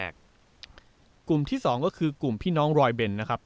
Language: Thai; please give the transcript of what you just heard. กลุ่มที่๒ก็คือกลุ่มพี่น้องรอยเบนนะครับ